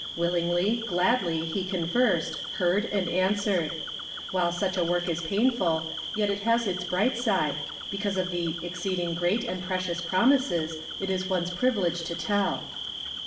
Willingly, gladly, he conversed, heard and answered. While such a work is painful, yet it has its bright side, because of the 'exceeding great and precious promises' it is one's privilege to tell.